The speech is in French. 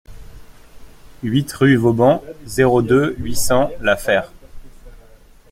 huit rue Vauban, zéro deux, huit cents, La Fère